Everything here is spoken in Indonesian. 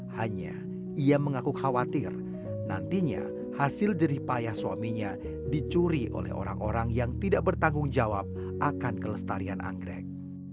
hanya ia mengaku khawatir nantinya hasil jerih payah suaminya dicuri oleh orang orang yang tidak bertanggung jawab akan kelestarian anggrek